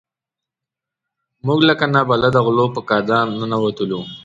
موږ لکه نابلده غلو په کادان ننوتو.